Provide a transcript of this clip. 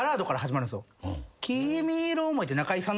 「君色思い」って。